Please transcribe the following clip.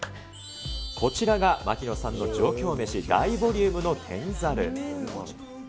こちらが槙野さんの上京メシ、大ボリュームの天ざる。